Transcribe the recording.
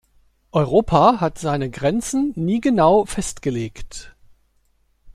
Europa hat seine Grenzen nie genau festgelegt.